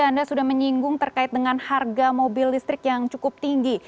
anda sudah menyinggung terkait dengan harga mobil listrik yang cukup tinggi